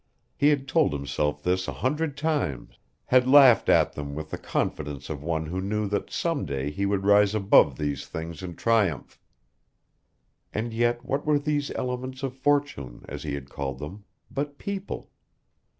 He had told himself this a hundred times, had laughed at them with the confidence of one who knew that some day he would rise above these things in triumph. And yet what were these elements of fortune, as he had called them, but people?